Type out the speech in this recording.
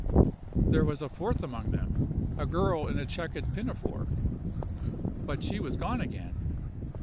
There was a fourth among them—a girl in a checked pinafore; but she was gone again.